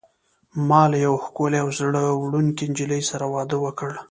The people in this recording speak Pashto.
ما له یوې ښکلي او زړه وړونکي نجلۍ سره واده وکړ.